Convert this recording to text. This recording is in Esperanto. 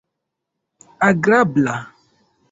agrabla